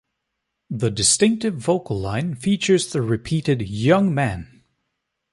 The distinctive vocal line features the repeated Young man!